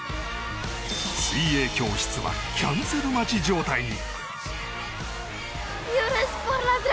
水泳教室はキャンセル待ち状態に。